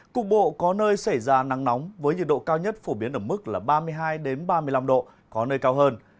cục bộ có nơi xảy ra nắng nóng với nhiệt độ cao nhất phổ biến ở mức ba mươi hai ba mươi năm độ có nơi cao hơn